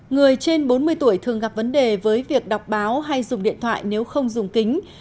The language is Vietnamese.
người trên bốn mươi tuổi thường gặp vấn đề với việc đọc báo hay dùng điện thoại nếu không dùng kính